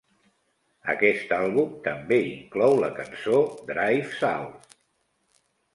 Aquest àlbum també inclou la cançó "Drive South".